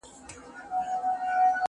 د طاووس تر رنګینیو مي خوښيږي،